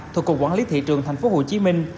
thuộc cục quản lý thị trường thành phố hồ chí minh